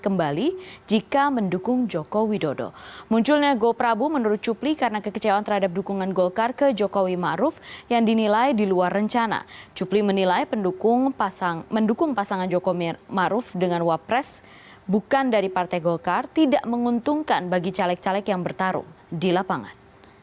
mendukung pasangan jokowi maruf dengan wapres bukan dari partai golkar tidak menguntungkan bagi caleg caleg yang bertarung di lapangan